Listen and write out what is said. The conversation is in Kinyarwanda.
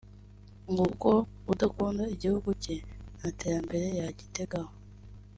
ngo kuko udakunda igihugu cye nta n’iterambere yagitegaho